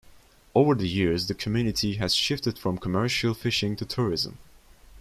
Over the years, the community has shifted from commercial fishing to tourism.